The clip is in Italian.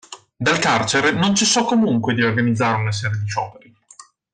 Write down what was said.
Dal carcere non cessò comunque di organizzare una serie di scioperi.